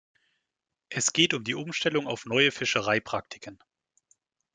Es geht um die Umstellung auf neue Fischereipraktiken.